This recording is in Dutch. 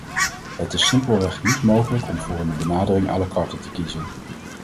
Het is simpelweg niet mogelijk om voor een benadering à la carte te kiezen.